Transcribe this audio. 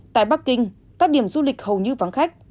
tại bắc kinh các điểm du lịch hầu như vắng khách